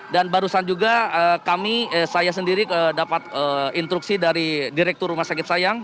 dan barusan juga kami saya sendiri dapat instruksi dari direktur rumah sakit sayang